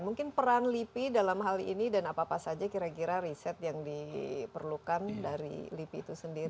mungkin peran lipi dalam hal ini dan apa apa saja kira kira riset yang diperlukan dari lipi itu sendiri